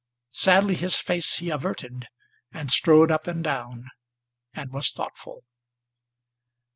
Sadly his face he averted, and strode up and down, and was thoughtful.